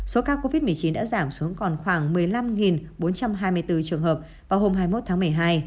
số ca covid một mươi chín đã giảm xuống còn khoảng một mươi năm bốn trăm hai mươi bốn trường hợp vào hôm hai mươi một tháng một mươi hai